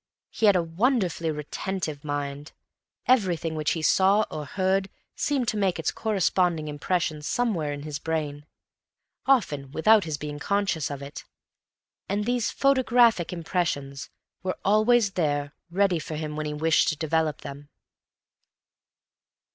He had a wonderfully retentive mind. Everything which he saw or heard seemed to make its corresponding impression somewhere in his brain; often without his being conscious of it; and these photographic impressions were always there ready for him when he wished to develop them.